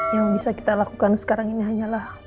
yang bisa kita lakukan sekarang ini hanyalah